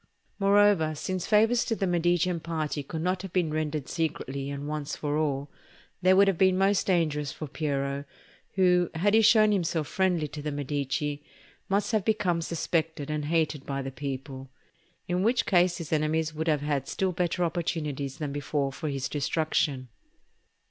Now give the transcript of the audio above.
Moreover, since favours to the Medicean party could not have been rendered secretly and once for all, they would have been most dangerous for Piero, who, had he shown himself friendly to the Medici, must have become suspected and hated by the people; in which case his enemies would have had still better opportunities than before for his destruction.